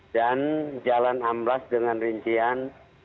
jalan amblas dengan rincian